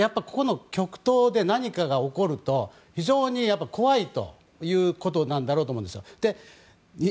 ここの極東で何かが起こると非常に怖いということなんだろうと思うんですよ。